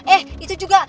eh itu juga